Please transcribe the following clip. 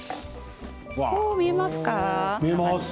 見えますか。